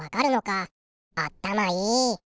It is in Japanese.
あったまいい！